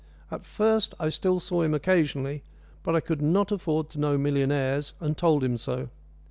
At first I still saw him occasionally, but I could not afford to know millionaires, and told him so.